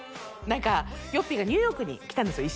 何かＹＯＰＰＹがニューヨークに来たんですよ